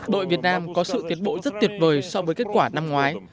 đội việt nam có sự tiến bộ rất tuyệt vời so với kết quả năm ngoái